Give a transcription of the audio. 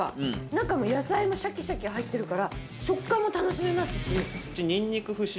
中も野菜もシャキシャキ入ってるから食感も楽しめますし。